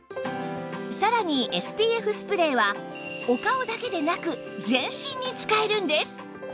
さらに ＳＰＦ スプレーはお顔だけでなく全身に使えるんです